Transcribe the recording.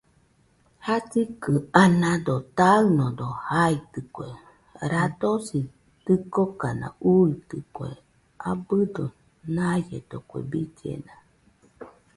Jasikɨ anado taɨnodo jaitɨkue , radosi dɨkokana uuitɨkue abɨdo naiedo kue billena